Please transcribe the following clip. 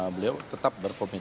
beliau tetap berkontribusi